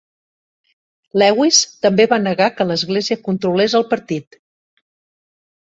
Lewis també va negar que l'església controlés el partit.